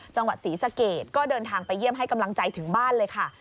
จังหวัดศรีสะเกดก็เดินทางไปเยี่ยมให้กำลังใจถึงบ้านเลยค่ะ